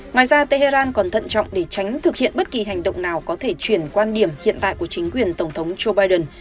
ngoài ra tehran còn thận trọng để tránh thực hiện bất kỳ hành động nào có thể chuyển quan điểm hiện tại của chính quyền tổng thống joe biden